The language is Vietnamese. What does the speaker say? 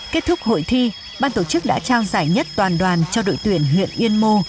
kết thúc hội thi ban tổ chức đã trao giải nhất toàn đoàn cho đội tuyển huyện yên mô